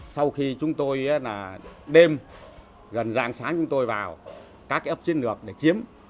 sau khi chúng tôi đêm gần giang sáng chúng tôi vào các ấp chiến lược để chiếm